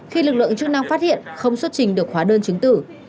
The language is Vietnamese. khi lực lượng chức năng phát hiện không xuất trình được hóa đơn chứng tử